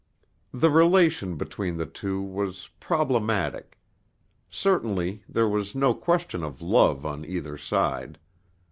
The relation between the two was problematic. Certainly there was no question of love on either side.